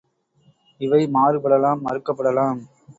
இவை மாறுபடலாம் மறுக்கப்படலாம்.